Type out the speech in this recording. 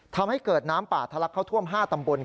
ทำให้เกิดน้ำป่าทะลักเข้าท่วม๕ตำบล